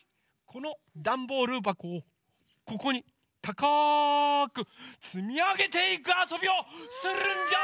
このダンボールばこをここにたかくつみあげていくあそびをするんジャー！